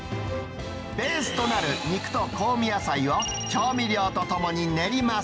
ベースとなる肉と香味野菜を調味料とともに練ります。